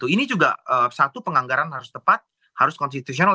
ini juga satu penganggaran harus tepat harus konstitusional